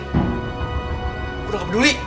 aku udah gak peduli